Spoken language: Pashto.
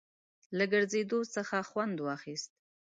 له ګرځېدلو څخه خوند واخیست.